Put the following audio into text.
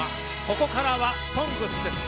ここからは「ＳＯＮＧＳ」です。